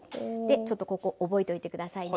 ちょっとここ覚えといて下さいね。